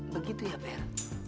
begitu ya fer